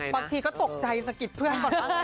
บางทีก็ตกใจสะกิดเพื่อน